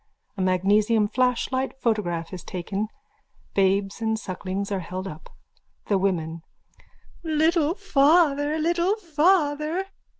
A magnesium flashlight photograph is taken. Babes and sucklings are held up.)_ THE WOMEN: Little father! Little father!